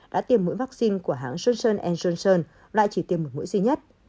đã tiêm mũi vaccine của hãng johnson johnson loại chỉ tiêm một mũi duy nhất